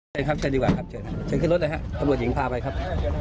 เชิญครับเชิญดีกว่าครับเชิญขึ้นรถนะครับประบวนหญิงพาไปครับ